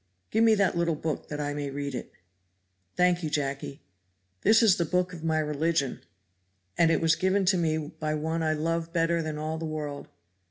"Give me that little book that I may read it. Thank you. Jacky, this is the book of my religion; and it was given to me by one I love better than all the world.